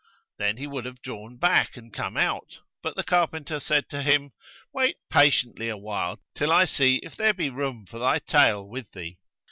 Then he would have drawn back and come . out; but the carpenter said to him, 'Wait patiently a while till I see if there be room for thy tail with thee.'